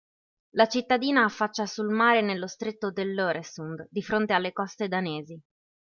La cittadina affaccia sul mare nello stretto dell'Øresund, di fronte alle coste danesi.